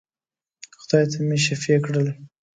خدای ته مي شفېع کړل.